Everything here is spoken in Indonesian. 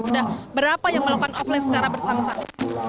sudah berapa yang melakukan offline secara bersama sama